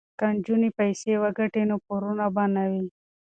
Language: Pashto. که نجونې پیسې وګټي نو پورونه به نه وي.